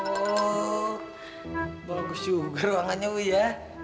oh bagus juga ruangannya wi ya